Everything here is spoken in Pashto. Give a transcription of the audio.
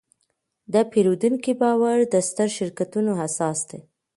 د پیرودونکي باور د سترو شرکتونو اساس دی.